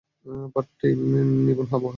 পাঠটি Ibn Abu হাতিমের।